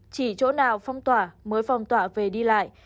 chỉ chỗ nào phong tỏa mới phong tỏa về đi lại